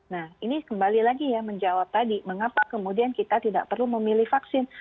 nah ini kembali lagi ya menjawab tadi mengapa kemudian kita tidak perlu memilih vaksin